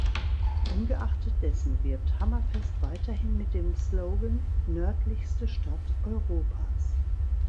Ungeachtet dessen wirbt Hammerfest weiterhin mit dem Slogan „nördlichste Stadt Europas“.